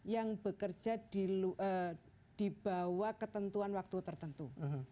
yang bekerja di bawah ketentuan waktu tertentu